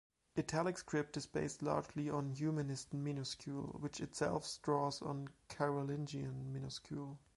Italic script is based largely on Humanist minuscule, which itself draws on Carolingian minuscule.